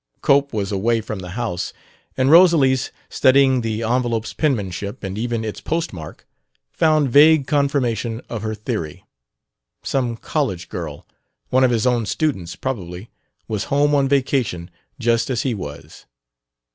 Cope was away from the house, and Rosalys, studying the envelope's penmanship and even its postmark, found vague confirmation of her theory: some college girl one of his own students, probably was home on vacation just as he was.